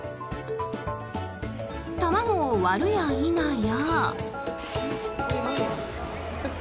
卵を割るや否や。